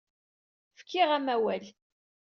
Fkiɣ-am awal.